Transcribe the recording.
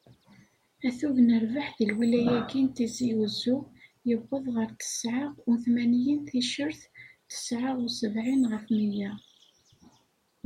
Atug n rrbeḥ di lwilya-agi n Tizi Uzzu, yewweḍ ɣer tesεa u tmanyin ticcer teεa u sebεin ɣef mya.